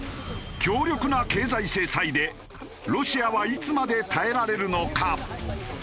強力な経済制裁でロシアはいつまで耐えられるのか？